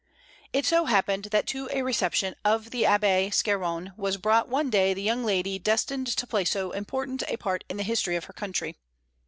It so happened that to a reception of the Abbé Scarron was brought one day the young lady destined to play so important a part in the history of her country.